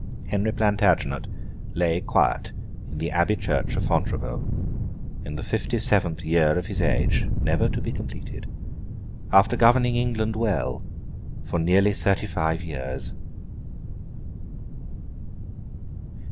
Henry Plantagenet lay quiet in the abbey church of Fontevraud, in the fifty seventh year of his age—never to be completed—after governing England well, for nearly thirty five years.